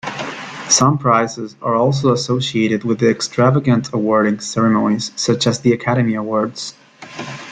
Some prizes are also associated with extravagant awarding ceremonies, such as the Academy Awards.